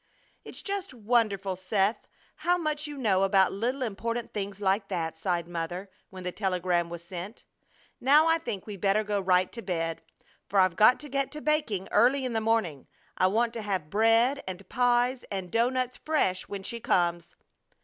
"It's just wonderful, Seth, how much you know about little important things like that!" sighed Mother, when the telegram was sent. "Now, I think we better go right to bed, for I've got to get to baking early in the morning. I want to have bread and pies and doughnuts fresh when she comes."